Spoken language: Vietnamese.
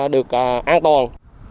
được an toàn